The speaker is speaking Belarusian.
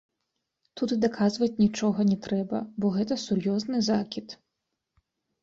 Тут і даказваць нічога не трэба, бо гэта сур'ёзны закід.